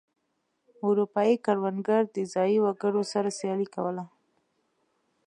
اروپايي کروندګرو د ځايي وګړو سره سیالي کوله.